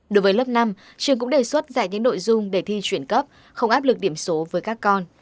đối với lớp năm trường cũng đề xuất giải những nội dung để thi chuyển cấp không áp lực điểm số với các con